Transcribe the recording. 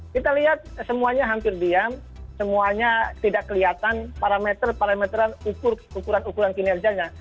kita lihat semuanya hampir diam semuanya tidak kelihatan parameter parameteran ukuran ukuran kinerjanya